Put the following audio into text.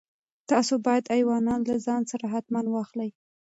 تاسو باید ایوانان له ځان سره حتماً واخلئ.